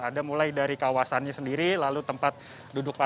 ada mulai dari kawasannya sendiri lalu tempat duduk pasien